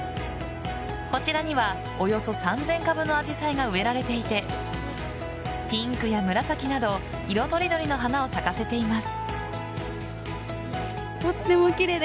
こちらにはおよそ３０００株のアジサイが植えられていてピンクや紫など色とりどりの花を咲かせています。